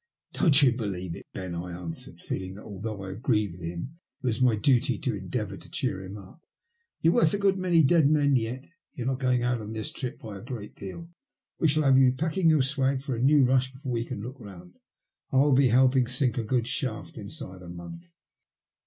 "Don't you believe it, Ben," I answered, feeling that although I agreed with him it was my duty to endeavour to cheer him up. " You're worth a good many dead men yet. You're not going out this trip by a great deal. We shall have you packing your swag for a new rush before you can look round. I'll be helping sink a good shaft inside a month."